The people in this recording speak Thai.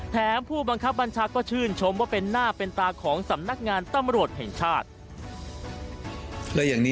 ผู้บังคับบัญชาก็ชื่นชมว่าเป็นหน้าเป็นตาของสำนักงานตำรวจแห่งชาติ